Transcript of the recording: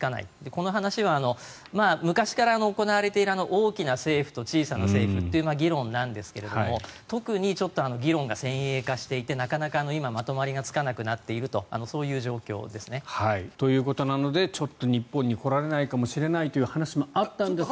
この話は昔から行われている大きな政府と小さな政府という議論なんですが特に議論が先鋭化していてなかなか今まとまりがつかなくなっているとそういう状況ですね。ということなのでちょっと日本に来られないかもしれないという話もあったんですが。